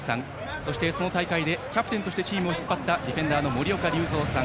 そして、その大会でキャプテンとしてチームを引っ張ったディフェンダーの森岡隆三さん。